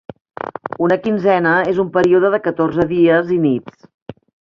Una quinzena és un període de catorze dies i nits